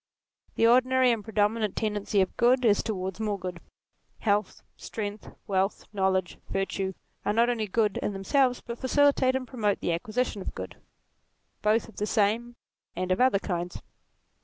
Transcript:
The ordinary and pre dominant tendency of good is towards more good. Health, strength, wealth, knowledge, virtue, are not only good in themselves but facilitate and promote the acquisition of good, both of the same and of other kinds.